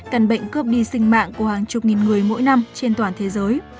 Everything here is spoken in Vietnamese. căn bệnh cướp đi sinh mạng của hàng chục nghìn người mỗi năm trên toàn thế giới